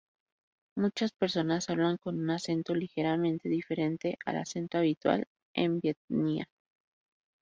Muchas personas hablan con un acento ligeramente diferente al acento habitual de vientián.